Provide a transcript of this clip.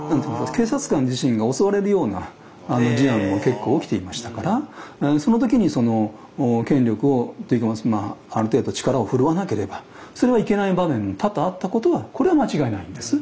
警察官自身が襲われるような事案も結構起きていましたからその時に権力をある程度力を振るわなければそれはいけない場面多々あったことはこれは間違いないんです。